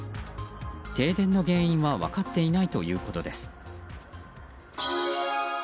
停電の原因は分かっていないということです。